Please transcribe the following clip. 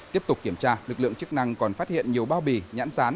tiếp tục kiểm tra lực lượng chức năng còn phát hiện nhiều bao bì nhãn rán